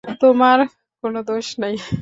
তোমার কোনো দোষ নাই।